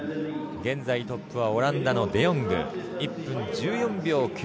現在トップはオランダのデ・ヨング１分１４秒９２